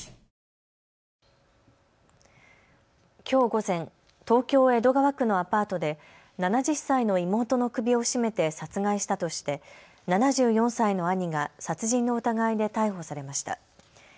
きょう午前、東京江戸川区のアパートで７０歳の妹の首を絞めて殺害したとして７４歳の兄が殺人の疑いで逮捕されました。